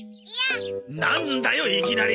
なんだよいきなり！